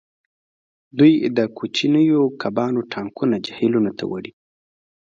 دوی د کوچنیو کبانو ټانکونه جهیلونو ته وړي